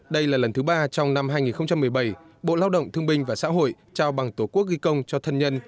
đây là lần thứ ba trong năm hai nghìn một mươi bảy bộ lao động thương binh và xã hội trao bằng tổ quốc ghi công cho thân nhân